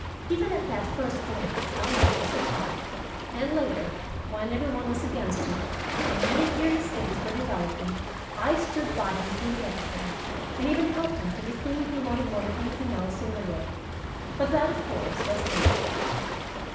Even at that first glance, I liked Mr. Howell, and later, when every one was against him, and many curious things were developing, I stood by him through everything, and even helped him to the thing he wanted more than anything else in the, world. But that, of course, was later.